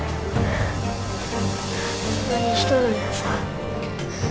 何しとるんやさ